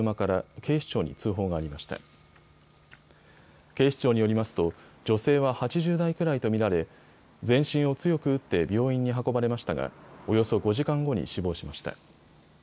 警視庁によりますと女性は８０代くらいと見られ全身を強く打って病院に運ばれましたがおよそ５時間後に死亡しました。